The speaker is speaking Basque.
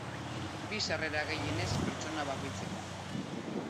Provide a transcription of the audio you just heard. Bi sarrera gehienez pertsona bakoitzeko.